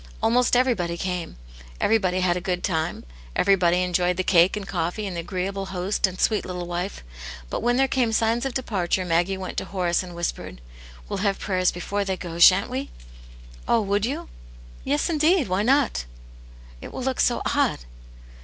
Almost everybody came ; everybody had a good time ; everybody enjoyed the cake and coffee and the agreeable host . aod sweet little wife. .. But when there came signs of departure, Maggie went to. Horace and whispered :" We'll have prayers before they go, sha'n't wc?" " Oh, would you ?"'". "Yes, indeed, why not ^".'" It will look so odd."